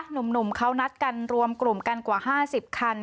หนุ่มเขานัดกันรวมกลุ่มกันกว่า๕๐คัน